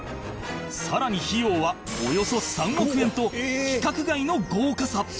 さらに費用はおよそ３億円と規格外の豪華さ